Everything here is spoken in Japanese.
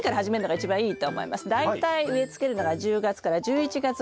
大体植えつけるのが１０月から１１月ぐらい。